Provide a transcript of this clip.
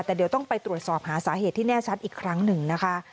แต่เดี๋ยวต้องไปตรวจสอบหาสาเหตุที่แน่ชัดอีกครั้งหนึ่งนะคะ